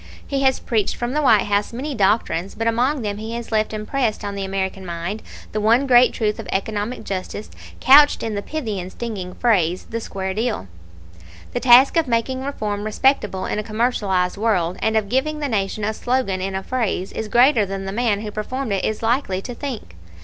He has preached from the White House many doctrines; but among them he has left impressed on the American mind the one great truth of economic justice couched in the pithy and stinging phrase 'the square deal.' The task of making reform respectable in a commercialized world, and of giving the Nation a slogan in a phrase, is greater than the man who performed it is likely to think.